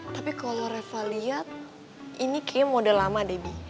tapi kalau reva lihat ini kayaknya model lama debbie